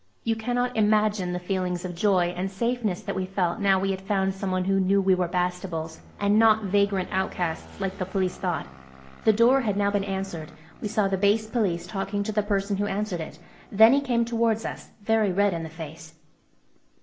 You cannot imagine the feelings of joy and safeness that we felt now we had found someone who knew we were Bastables, and not vagrant outcasts like the Police thought. The door had now been answered. We saw the base Police talking to the person who answered it. Then he came towards us, very red in the face.